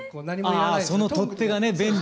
あその取っ手がね便利。